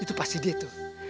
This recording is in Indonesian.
itu pasti dia tuh